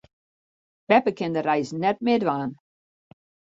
Beppe kin de reis net mear dwaan.